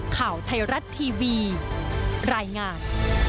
ข่าวไทยรัฐทีวีรายงาน